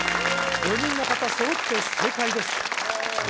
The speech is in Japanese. ４人の方揃って正解ですわい！